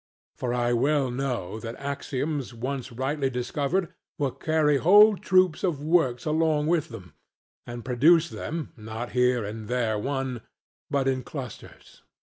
For I well know that axioms once rightly discovered will carry whole troops of works along with them, and produce them, not here and there one, but in clusters.